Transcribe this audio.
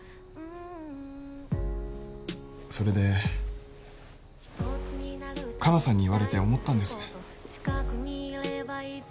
それで香菜さんに言われて思ったんです